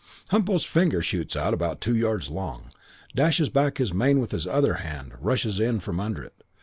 "Humpo's finger shoots out about two yards long; dashes back his mane with his other hand; rushes in from under it.